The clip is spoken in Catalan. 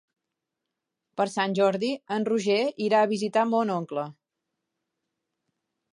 Per Sant Jordi en Roger irà a visitar mon oncle.